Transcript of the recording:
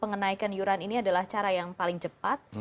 kenaikan yuran ini adalah cara yang paling cepat